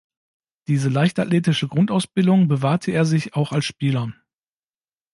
Diese leichtathletische Grundausbildung bewahrte er sich auch als Spieler.